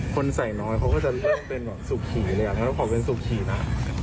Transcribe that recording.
คนใส่น้อยเขาก็จะเริ่มเป็นสุขีเลยแล้วถ้าเป็นสุขีน่ะ